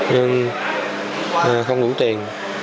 nhưng không đủ tiền